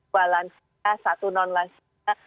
dua lansia satu non lansia